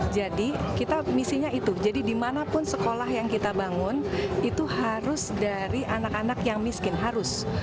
kita misinya itu jadi dimanapun sekolah yang kita bangun itu harus dari anak anak yang miskin harus